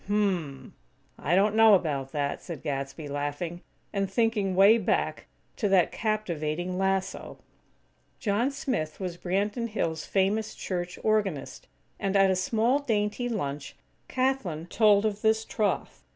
"Hm m m! I don't know about that," said Gadsby, laughing; and thinking way back to that captivating lasso! John Smith was Branton Hills' famous church organist; and, at a small, dainty lunch, Kathlyn told of this troth.